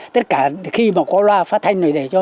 tất cả khi mà có loa phát thanh này để cho